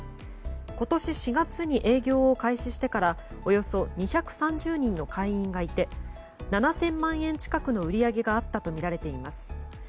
今年４月に営業を開始してからおよそ２３０人の会員がいて７０００万円近くの売り上げがあったとみられています。